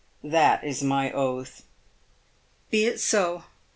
That is my oath." " Be it so.